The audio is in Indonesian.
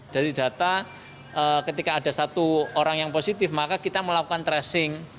dari data ketika ada satu orang yang positif maka kita melakukan tracing